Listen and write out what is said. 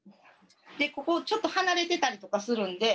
でここちょっと離れてたりとかするんで小指も。